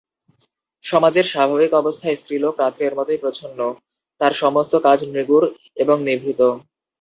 সমাজের স্বাভাবিক অবস্থায় স্ত্রীলোক রাত্রির মতোই প্রচ্ছন্ন– তার সমস্ত কাজ নিগূঢ় এবং নিভৃত।